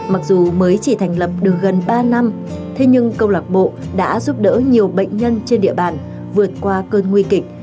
mặc dù mới chỉ thành lập được gần ba năm thế nhưng câu lạc bộ đã giúp đỡ nhiều bệnh nhân trên địa bàn vượt qua cơn nguy kịch